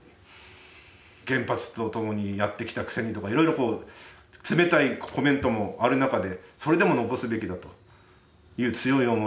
原発と共にやってきたくせにとかいろいろ冷たいコメントもある中でそれでも残すべきだという強い思い。